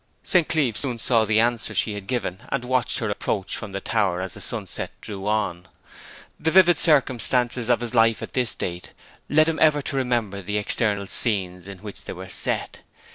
St. Cleeve soon saw the answer she had given and watched her approach from the tower as the sunset drew on. The vivid circumstances of his life at this date led him ever to remember the external scenes in which they were set.